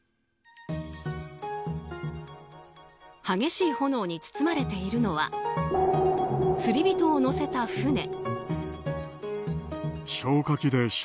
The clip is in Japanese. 激しい炎に包まれているのは釣り人を乗せた船。